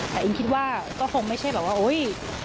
แต่อิงคิดว่าก็คงไม่ใช่แบบว่าโอ๊ย